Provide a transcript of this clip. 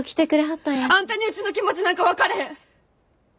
あんたにうちの気持ちなんか分かれへん！